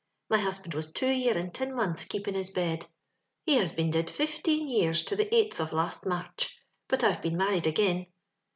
My husband was two year and tin months keeping his bed ; he iias been did fifteen years to the eighth of last March ; but Tve been maxried again.